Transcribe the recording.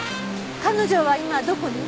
彼女は今どこに？